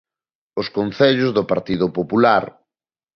Os concellos do Partido Popular.